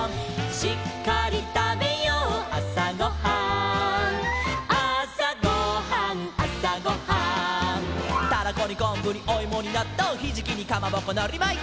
「しっかりたべようあさごはん」「あさごはんあさごはん」「タラコにこんぶにおいもになっとう」「ひじきにかまぼこのりまいて」